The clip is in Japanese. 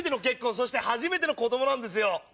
そして初めての子供なんですよ。